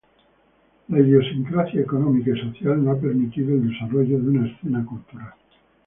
La idiosincrasia económica y social no ha permitido el desarrollo de una escena cultural.